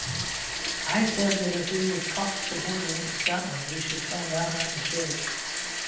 It said that if we would "cross the border" into Scotland, we should find out our mistake.